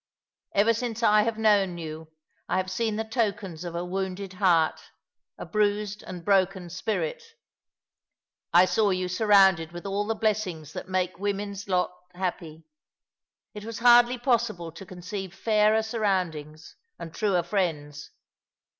Ever since I have known you I have seen the tokens of a wounded heart, a bruised and broken spirit. I saw you surrounded with all the blessings that make woman's lot happy. It was hardly possible to conceive fairer surroundings and truer friends.